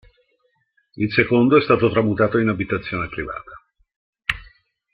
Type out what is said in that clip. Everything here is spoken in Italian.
Il secondo è stato tramutato in abitazione privata.